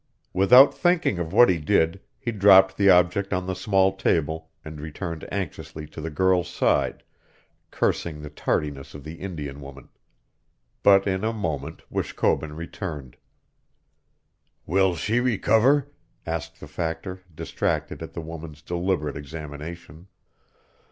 Without thinking of what he did, he dropped the object on the small table, and returned anxiously to the girl's side, cursing the tardiness of the Indian woman. But in a moment Wishkobun returned. "Will she recover?" asked the Factor, distracted at the woman's deliberate examination.